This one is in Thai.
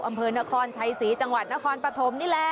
อำเภอนครชัยศรีจังหวัดนครปฐมนี่แหละ